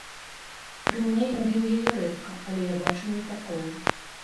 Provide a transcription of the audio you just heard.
Пры мне ён біў яе рэдка, але я бачыла і такое.